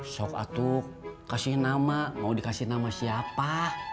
sok atuk kasih nama mau dikasih nama siapa